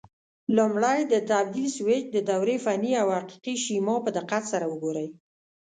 لومړی د تبدیل سویچ د دورې فني او حقیقي شیما په دقت سره وګورئ.